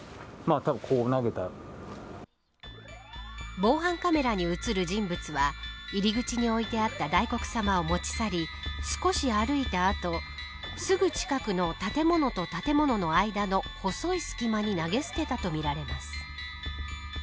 防犯カメラに映る人物は入り口に置いてあった大黒様を持ち去り少し歩いた後すぐ近くの建物と建物の間の細い隙間に投げ捨てたとみられます。